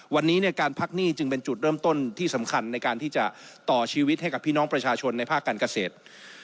วันนี้เนี่ยการพักหนี้จึงเป็นจุดเริ่มต้นที่สำคัญในการที่จะต่อชีวิตให้กับพี่น้องประชาชนในภาคการเกษตร